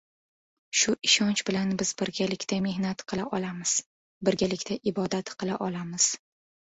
Shu ishonch bilan biz birgalikda mehnat qila olamiz, birgalikda ibodat qila olamiz